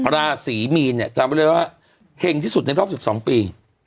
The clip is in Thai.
ราศีมีนเนี่ยจำไว้เลยว่าเห็งที่สุดในรอบ๑๒ปี